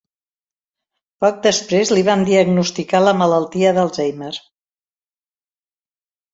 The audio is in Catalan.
Poc després li van diagnosticar la malaltia d'Alzheimer.